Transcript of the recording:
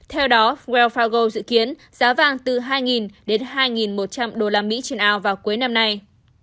theo đó freel fago dự kiến giá vàng từ hai đến hai một trăm linh usd trên ao vào cuối năm nay